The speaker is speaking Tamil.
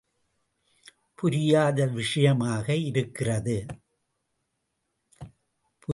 புரியாத விஷயமாக இருக்கிறது.